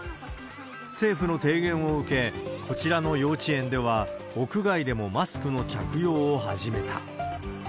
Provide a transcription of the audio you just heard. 政府の提言を受け、こちらの幼稚園では、屋外でもマスクの着用を始めた。